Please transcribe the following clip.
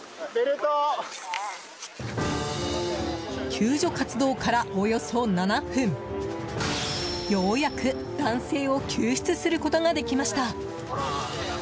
救助活動から、およそ７分ようやく男性を救出することができました。